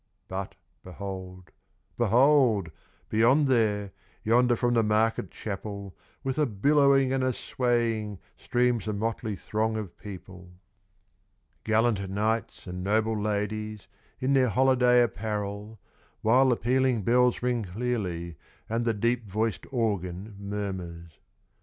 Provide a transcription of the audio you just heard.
But behold, behold! beyond there, Yonder from the market chapel, With a billowing and a swaying, Streams the motley throng of people. Gallant knights and noble ladies, In their holiday apparel; While the pealing bells ring clearly, And the deep voiced organ murmurs.